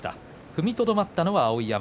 踏みとどまったのは碧山。